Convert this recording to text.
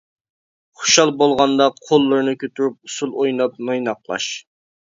خۇشال بولغاندا قوللىرىنى كۆتۈرۈپ ئۇسۇل ئويناپ نايناقلاش.